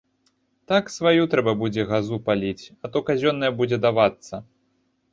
Так сваю трэба будзе газу паліць, а то казённая будзе давацца.